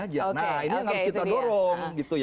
nah ini harus kita dorong gitu ya